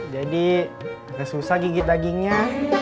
jadi agak susah gigit dagingnya